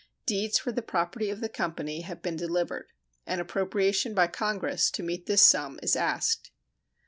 Deeds for the property of the company have been delivered. An appropriation by Congress to meet this sum is asked.